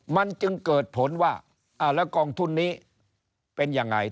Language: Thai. มันจึงเกิดผลว่าแล้วกองทุนนี้เป็นยังไง